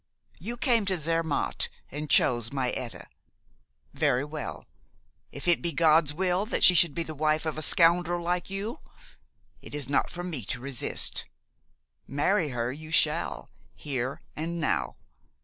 You came to Zermatt and chose my Etta. Very well, if it be God's will that she should be the wife of a scoundrel like you, it is not for me to resist. Marry her you shall, here and now!